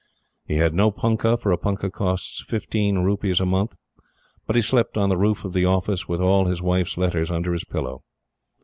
He had no punkah, for a punkah costs fifteen rupees a month; but he slept on the roof of the office with all his wife's letters under his pillow.